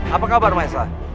apa kabar maesah